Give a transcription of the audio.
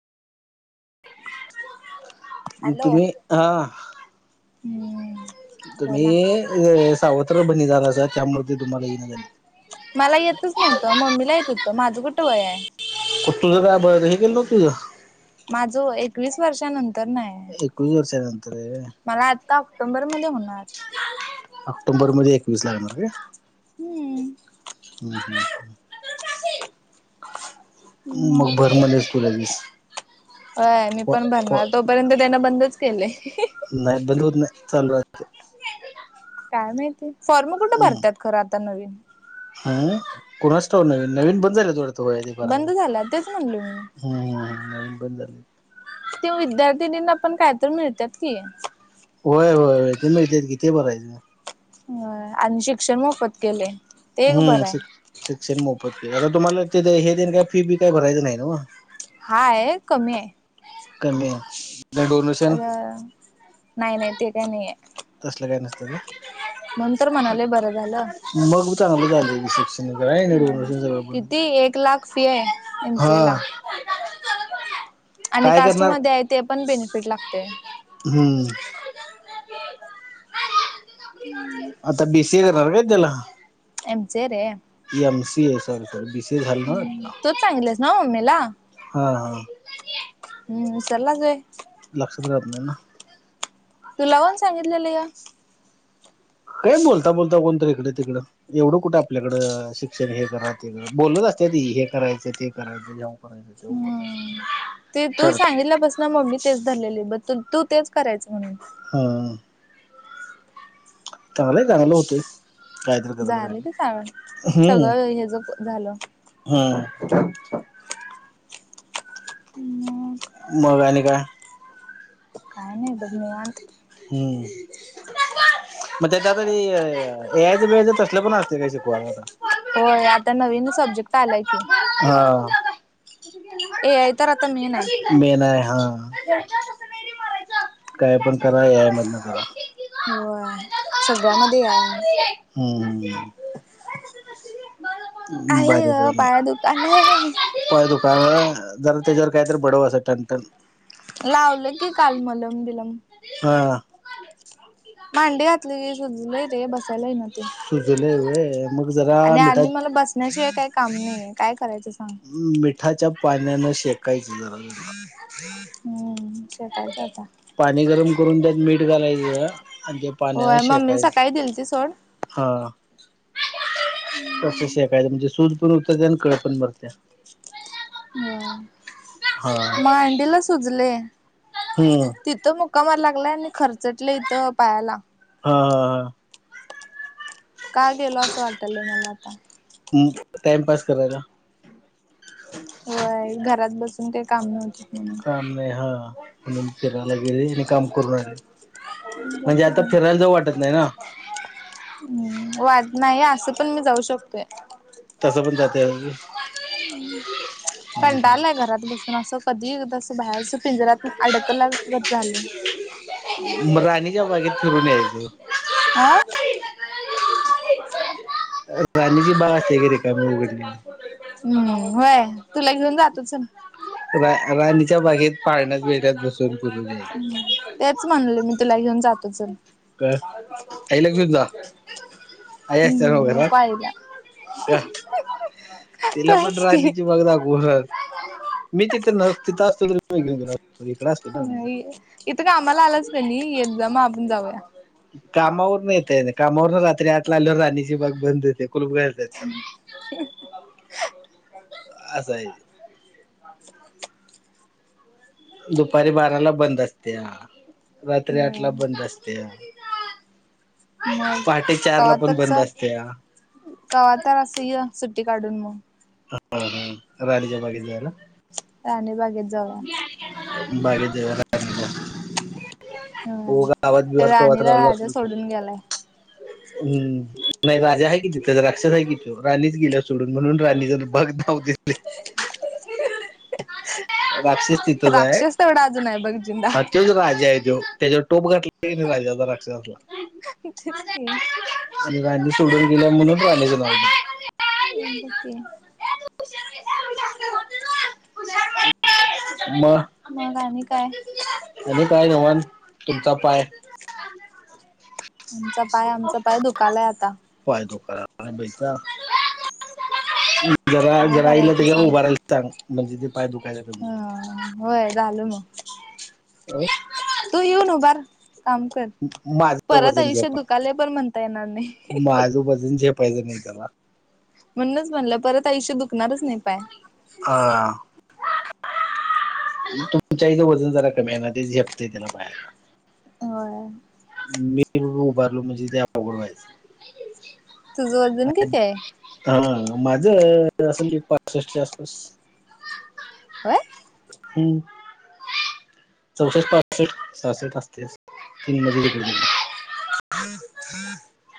मग हॅलो तुम्ही आहा. हम्म. बोला तुम्ही सावत्र बहिणी झाल्या असा, त्यामुळे तुम्हाला ते येईना झालं मला येतच नव्हतं, मम्मीला येत होतं. माझं कुठं वय हाय. कुठं तुझं काय बर हे केलं नव्हतं तुझं? माझं व्हय एकवीस वर्षानंतरना हाय. एकवीस वर्षानंतर हाय. मला आता ऑक्टोबर मध्ये होणार. ऑक्टोबर मध्ये एकवीस लागणार काय? हम्म. [inaudible] मग मग भर म्हणले तुला वीस. होय मी पण भरणार, तोपर्यंत त्यांनं बंदच केलंय. नाही बंद होत नाही, चालू राहतंय. काय माहिती. फॉर्म कुठं भरत्यात खरं आता नवीन. हां कुणाच ठाऊक नाय नवीन बंद झालं वाटतो ते बंद बरायच. झाला तेच म्हणलो मी हम्म हम्म नवीन बंद झाले. ते विद्यार्थिनींना पण काय तर मिळतात की. होय होय ते मिळतात की, ते बघायचं मग. होय आणि शिक्षण मोफत केलंय. हम्म शिक्षण मोफत ते आता तुम्हाला ते द्यायचे तेन काय फी बी काही भरायचं नाही ना हो. हाय कमी हाय. कमी आहे. डोनेशन त्याला, नाही नाही ते काय नाहीये. तसलं काय नसतं ना. मनंतर म्हणाले बरं झालं. मग बी चांगलं झालंय रिसेप्शन. किती एक लाख फी आहे [unintelligible] हा. एमसीए [inaudible] आम्ही करणार कास्टमध्ये हाय तेपण बेनिफिट लागतय. हम्म. हम्म. आता बीसी घेणार व्हय त्याला? एमचे रे. एमसी आहे सॉरी सॉरी बीसी झाल नव्ह? तूच सांगितलेस ना मम्मीला हा हा. हम्म, विसरलास व्हय. लक्षात राहत नाही ना. तूला कोण सांगितलेलं हे? काय बोलता बोलता कोणतर इकडं तिकडं. एवढं कुठं आपल्याकडं शिक्षण हे करा ते बोलत असत्याती हे करायचं, ते करायचं. ह्यांव हम्म, ते तू सांगितल्यापासनं मम्मी तेच धरलेले बत्तन तू तेच करायच म्हणून. हां. चांगलं हाय, चांगलं होतंय. कायतरी करत झालं राहिलं की चांगलं, हम्म सगळं हेज झालं. हम्म. मग. मग आणि काय? काय नाही बघ निवांत. हम्म. मग त्याच्या तरी ए आय बि आय चं तसलं पण असते काही शिकवाय आता. होय आता नवीन सब्जेक्ट आलाय की. हां. ए आय तर आता मेन आहे. मेन आहे हा काय पण करा याय मधनं करा. होय सगळ्यामध्ये ए आय आहे. हम्म हम्म. आई भारी ग काम पाय आहे. दुकायला आहे. पाय दुकायला जरा तेच्यावर, काहीतरी बडव असं टनटन. लावलं की काल मलम बिलम. हां. मांडी घातली की सुजलय रे बसायला येई ना ते. सुजलवय व्हयं, मग जरा आणि मिठा आजी मला बसण्याशिवाय काय काम नाहीे काय करायचं सांग. मिठाच्या पाण्यानं शेकायचं जरा जरा. हम् शेकायचं आता. पाणी गरम करून त्यात मीठ घालायचं आणि ते पाण्याने होय मम्मी शेकायचं. सकाळी दिलती सोड हा तसच शेकायच म्हणजे सूज पण उतरते आणि कळ पण मरते. व्होय हा मांडीला सुजले हम्म. तित तो मुक्का मार लागलाय आणि खर्चटलं इथं पायाला. हा हा हा. का गेलो असं वाटालय मला आता. हा टाइमपास करायला. व्हय घरात बसून काही काम नव्हते. काम नाही हां म्हणून फिरायला गेले, आणि हे काम करून राहिले. बघ म्हणजे की आता बाहेर फिरायला जाऊ वाटत नाही ना, हम्म वाट नाहीये असं पण मी जाऊ शकतोय. तसं पण जाते. [unintelligible] कंटाळालाय घरात बसून. तर असं कधी दस बाहेरचा पिंजऱात अडकला गत झालं. म राणीच्या बागेत फिरून यायचं. आं नको पडेल ते. राणीची बाग असते का, रिकामी उघडलेली. हम्म होय तुला घेऊन जातो चल. रा राणीच्या बागेत पाळण्यात बेड्यात बसून फिरून यायचं तेच म्हणलो मी तुला घेऊन जातो चल. का ताईला घेऊन जा. आई असत्या नवं हम्म घरात नको आईला का. तू तिला पण आहेस की. राणीची बाग दाखवून राहत. मी तिथे न तिथं असतो तर, मी घेऊन गेलो असतो इकडे असतोना ना मी. इथं कामाला आलास क नी येतजा मग आपण जाऊया. कामावरनं येतय ते कामावरूनं रात्री आठला आल्यावर राणीची बाग बंद होते. [unintelligible] छान. अस हाय ते. [unintelligible] दुपारी बाराला बंद असत्या, रात्री आठ ला बंद असत्या. मग पहाटे चार ला, कवा पण तरच बंद असत्या. कवा तर असू येय सुट्टी काढून म. हा हा राणीच्याबागेत जायला. राणीबागेत जाऊ. बागेत जाऊया का. हां.. राणीला राहिलो राजा सोडून गेलाय. हम् नाही राजा आहे किती त्याचा, राक्षस आहे की तो राणीच गेला सोडून म्हणून राणी जर बघ वते. ह [unintelligible] राक्षस तिथंच आहे, राक्षस तेवढा अजून आहे बघ जिंदा हां. तो राजा आहे तो, त्याच्यावर टोप घातला क राजाचा राक्षसाचा असला. तेच की, राणी सोडून गेल्या म्हणून, राणीच नाव घेतोय. बघ की, मगं. मग आणि काय, आणि काय, निवांत तुमचा पाय. आमचा पाय आमचा, पाय दुखकालाय आता. पाय दुखायला बैसा जा. जरा काय जराईल करायचं आईला, सांग उभारायला सांग म्हणजे ते पाय दुखायच. ह होय झालं मग अं. तू येऊन उभार काम कर. माझं परत वजन आयुष्यात झेपाय, दुखाले पण म्हणता येणार नाही माझं वजन झेपायचं नाही त्याला. म्हणूनच म्हणलं परत, आयुष्य दुखणारच नाही पाय. हां. तुमच्या इथं वजन जरा कमी आहे ना, ते झेपतेय त्याला पाहायला. होय. मी उभारलो म्हणजे ते, अवघड व्हायचं. तुझं वजन किती आहे. हां माझं असंल की, पासष्टच्या आसपास. काय. हम् चौसष्ट पासष्ट सासष्ट असते असं. [unintelligible]